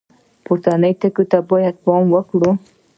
پورتنیو ټکو ته باید پام وکړو.